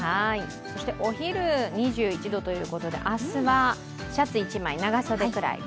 そして、お昼、２１度ということで、明日はシャツ１枚、長袖くらい。